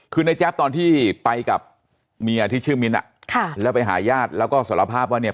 คือในแจ๊บตอนที่ไปกับเมียที่ชื่อมิ้นอ่ะค่ะแล้วไปหาญาติแล้วก็สารภาพว่าเนี่ย